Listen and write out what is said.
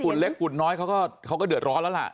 เล็กฝุ่นน้อยเขาก็เดือดร้อนแล้วล่ะ